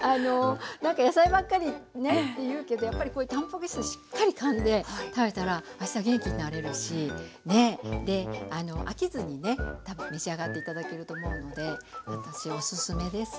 何か野菜ばっかりって言うけどやっぱりこういうたんぱく質しっかりかんで食べたらあした元気になれるし飽きずにね多分召し上がって頂けると思うので私おすすめです。